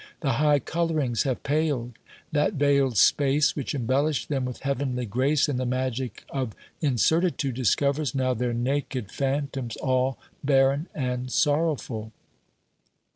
The high colourings have paled ; that veiled space which embellished them with heavenly grace in the magic of incertitude, discovers now their naked phantoms all barren and sorrowful.